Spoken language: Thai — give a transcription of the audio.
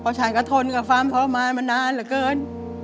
เพราะฉันก็ทนกับความทรมานมานานเหลือเกิน